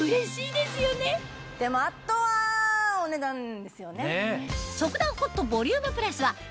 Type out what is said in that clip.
でもあとはお値段ですよね。